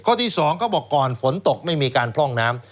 ที่สองเขาบอกก่อนฝนตกไม่มีการพร่องน้ำ